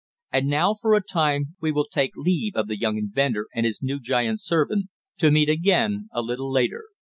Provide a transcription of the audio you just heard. And now, for a time, we will take leave of the young inventor and his new giant servant, to meet them again a little later.